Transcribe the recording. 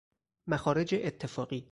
مخارج اتفاقی